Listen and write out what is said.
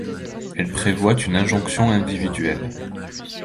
Elle prévoit une injonction individuelle.